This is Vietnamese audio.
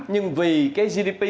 nhưng vì gdp không đạt